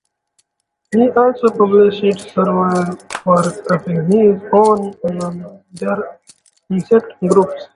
He also published several works of his own on other insect groups.